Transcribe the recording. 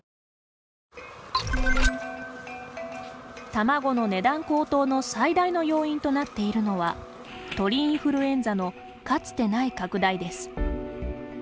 卵の値段高騰の最大の要因となっているのは鳥インフルエンザのかつてない拡大です。